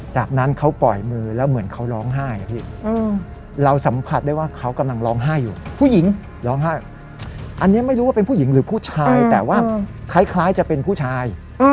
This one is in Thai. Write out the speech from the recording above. จากนั้นเขาปล่อยมือแล้วเหมือนเขาร้องไห้อะพี่เราสัมผัสได้ว่าเขากำลังร้องไห้อยู่ผู้หญิงร้องไห้อันนี้ไม่รู้ว่าเป็นผู้หญิงหรือผู้ชายแต่ว่าคล้ายจะเป็นผู้ชาย